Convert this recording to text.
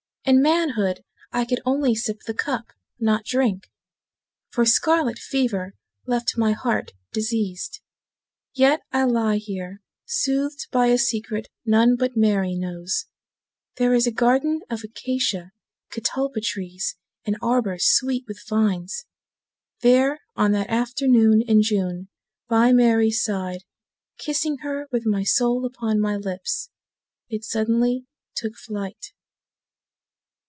In manhood I could only sip the cup, Not drink—For scarlet fever left my heart diseased. Yet I lie here Soothed by a secret none but Mary knows: There is a garden of acacia, Catalpa trees, and arbors sweet with vines— There on that afternoon in June By Mary's side— Kissing her with my soul upon my lips It suddenly took flight.